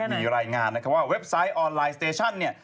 มีรายงานนะครับว่าเว็บไซต์ออนไลน์สเตชั่นเนี่ย